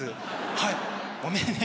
はいごめんね。